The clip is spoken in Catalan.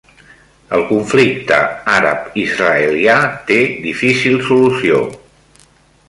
El conflicte àrab-israelià té difícil solució